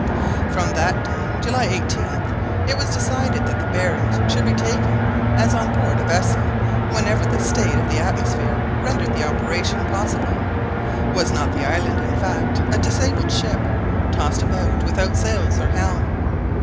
From that day, July 18th, it was decided that the bearings should be taken as on board a vessel whenever the state of the atmosphere rendered the operation possible. Was not the island, in fact, a disabled ship, tossed about without sails or helm.